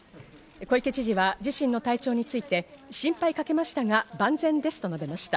小池知事は自身の体調について心配かけましたが万全ですと述べました。